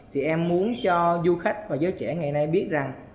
thì em muốn cho du khách và giới trẻ ngày nay biết rằng